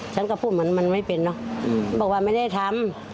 ฉันก็พูดเหมือนมันไม่เป็นเนอะบอกว่าไม่ได้ทำ